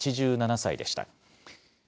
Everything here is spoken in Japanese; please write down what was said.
８７歳でした。